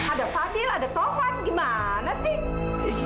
ada fadil ada tovan gimana sih